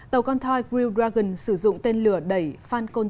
tàu con toy crew dragon sử dụng tên lửa đẩy falcon chín